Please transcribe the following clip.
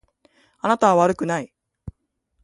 あなたは悪くない。